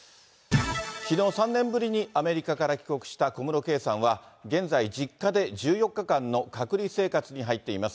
きのう、３年ぶりにアメリカから帰国した小室圭さんは、現在、実家で１４日間の隔離生活に入っています。